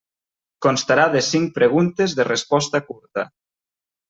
Constarà de cinc preguntes de resposta curta.